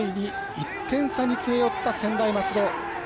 １点差に詰め寄った専大松戸。